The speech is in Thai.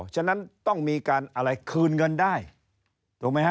ฉะนั้นต้องมีการอะไรคืนเงินได้ถูกไหมฮะ